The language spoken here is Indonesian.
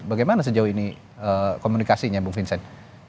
bagaimana sejauh ini komunikasinya bung vincent